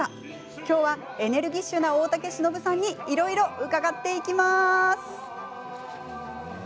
今日はエネルギッシュな大竹しのぶさんにいろいろ伺っていきます。